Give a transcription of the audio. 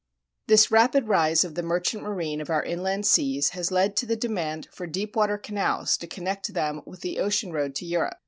This rapid rise of the merchant marine of our inland seas has led to the demand for deep water canals to connect them with the ocean road to Europe.